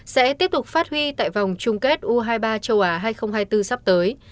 sẽ tiếp tục phát huy tại vòng chung kết u hai mươi ba châu á hai nghìn hai mươi bốn sắp tới